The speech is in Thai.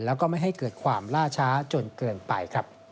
แล้วก็ไม่ให้เกิดความล่าช้าจนเกินไป